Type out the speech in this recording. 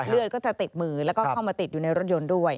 เลือดก็จะติดมือแล้วก็เข้ามาติดอยู่ในรถยนต์ด้วย